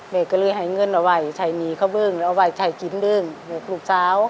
แม่ก็เลยให้เงินเอาไว้ใช้หนี้เขาเบิ้งเอาไว้ใช้กินเรื่องลูกสาว